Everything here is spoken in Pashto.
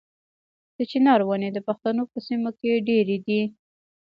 د چنار ونې د پښتنو په سیمو کې ډیرې دي.